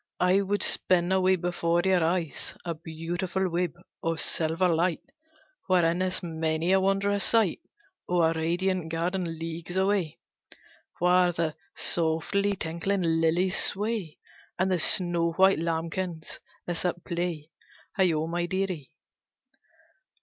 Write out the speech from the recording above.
I would spin a web before your eyes, A beautiful web of silver light, Wherein is many a wondrous sight Of a radiant garden leagues away, Where the softly tinkling lilies sway, And the snow white lambkins are at play, Heigho, my dearie!"